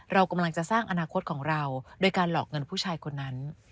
เรากำลังจะสร้างอนาคตของเราโดยการหลอกเงินผู้ชายคนนั้น